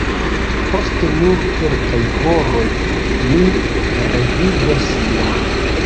Post nur kelkaj horoj mi revidos lin!